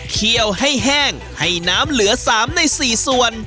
เคี่ยวให้แห้งให้น้ำเหลือ๓ใน๔ส่วน